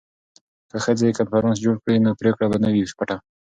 که ښځې کنفرانس جوړ کړي نو پریکړه به نه وي پټه.